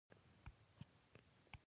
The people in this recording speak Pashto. رستم یو پهلوان دی.